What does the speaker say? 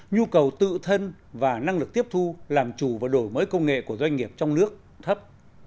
nhu cầu tự thân và năng lực tiếp thu làm chủ và đổi mới công nghệ của doanh nghiệp trong nước thấp